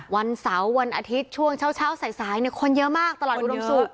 วันเสาร์วันอาทิตย์ช่วงเช้าสายคนเยอะมากตลอดอุดมศุกร์